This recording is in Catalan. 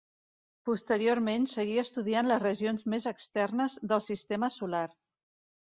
Posteriorment seguí estudiant les regions més externes del sistema solar.